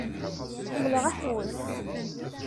Ḥemmleɣ aḥewwes.